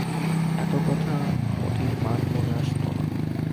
এত কথা মোতির মার মনে আসত না।